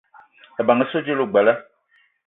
Ebeng essoe dila ogbela